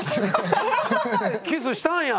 「キスしたんや。